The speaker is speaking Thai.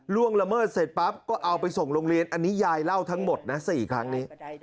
ละเมิดเสร็จปั๊บก็เอาไปส่งโรงเรียนอันนี้ยายเล่าทั้งหมดนะ๔ครั้งนี้